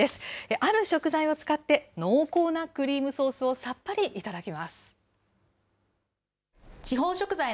ある食材を使って、濃厚なクリームソースをさっぱりいただきます。